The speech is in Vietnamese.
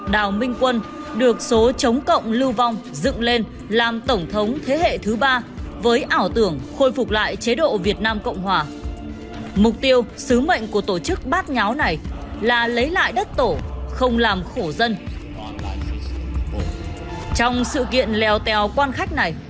đăng ký kênh để ủng hộ kênh của mình nhé